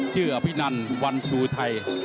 ชื่อพินันวันคือไทย